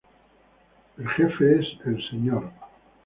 El jefe es Mr.